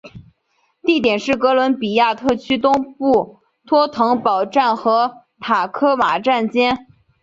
地点是哥伦比亚特区东北部托腾堡站和塔科马站间。